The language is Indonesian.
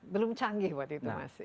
belum canggih buat itu masih